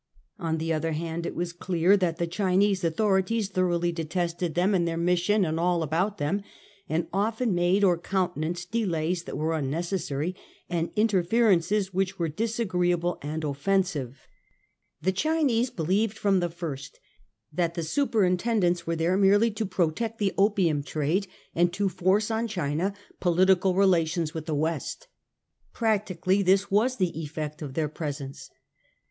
On the other hand, it is clear that the Chinese authorities thoroughly detested them and their mission, and all about them, and often made or countenanced delays that were unnecessary, and interferences which were disagreeable and offensive. The Chinese believed 174 A HISTORY OF OUR OWN TIMES. cn. vnx. from the first that the superintendents were there merely to protect the opium trade, and to force on China political relations with the West. Practically this was the effect of their presence.